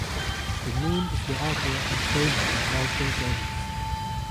The moon is the author and framer of mortal bodies.